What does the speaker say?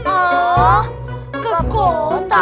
oh ke kota